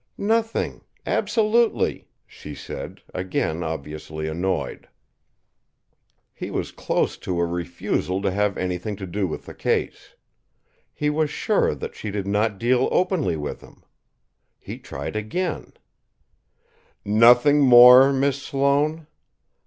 "Nothing absolutely," she said, again obviously annoyed. He was close to a refusal to have anything to do with the case. He was sure that she did not deal openly with him. He tried again: "Nothing more, Miss Sloane?